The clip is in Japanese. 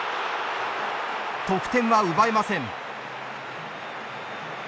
得点は奪えません。